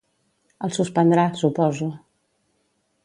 El suspendrà, suposo.